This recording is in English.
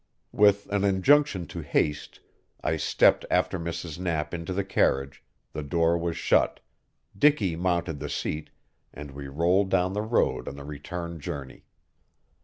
With an injunction to haste, I stepped after Mrs. Knapp into the carriage, the door was shut, Dicky mounted the seat, and we rolled down the road on the return journey.